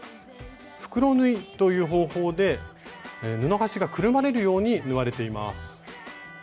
「袋縫い」という方法で布端がくるまれるように縫われています。